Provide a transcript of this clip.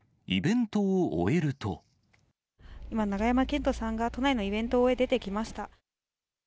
今、永山絢斗さんが都内のイベントを終え、出てきました。